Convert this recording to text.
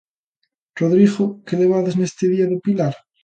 Rodrigo, que levades neste día do Pilar?